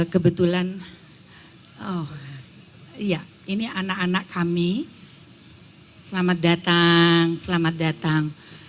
kebetulan ini anak anak kami selamat datang selamat datang